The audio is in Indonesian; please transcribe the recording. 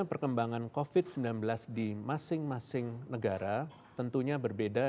perkembangan covid sembilan belas di masing masing negara tentunya berbeda